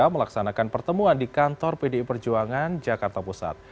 melaksanakan pertemuan di kantor pdi perjuangan jakarta pusat